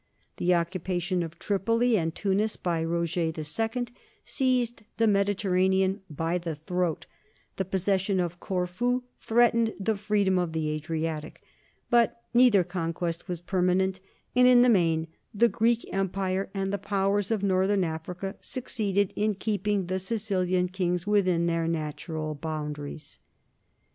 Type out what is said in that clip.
The occupation of Tripoli and Tunis by Roger II seized the Mediterranean by the throat; the possession of Corfu threatened the freedom of the Adriatic; but neither conquest was permanent, and in the main the Greek empire and the powers of northern Africa succeeded in keeping the Sicilian kings within their natural boundaries.